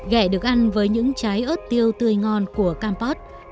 gẹ được ăn với những trái ớt tiêu tươi ngon của campos